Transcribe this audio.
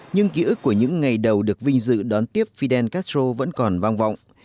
nhưng ký ức của những ngày đầu được vinh dự đón tiếp fidel castro vẫn còn vang vọng